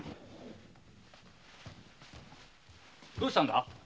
どうしたんだ？